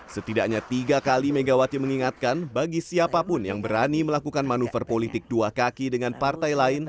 setidaknya tiga kali megawati mengingatkan bagi siapapun yang berani melakukan manuver politik dua kaki dengan partai lain